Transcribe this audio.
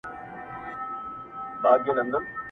سلطانان یې دي په لومو کي نیولي،